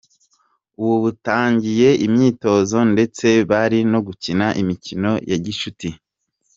Ubu batangiye imyitozo ndetse bari no gukina imikino ya gishuti.